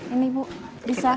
ini ibu bisa